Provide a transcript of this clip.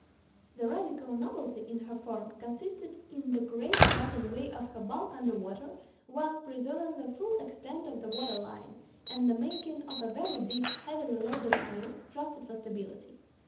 The radical novelty in her form consisted in the great cutting away of her bulk under water while preserving the full extent of the water line, and the making of a very deep, heavily loaded keel, trusted for stability.